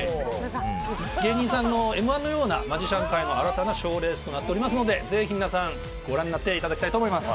芸人さんの「Ｍ‐１」のようなマジシャン界の新たな賞レースとなっておりますのでぜひ皆さん、ご覧になっていただきたいと思います。